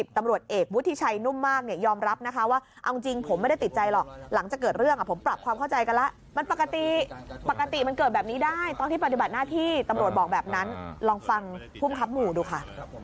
ดังนั้นลองฟังผู้บังคับหมู่ดูค่ะ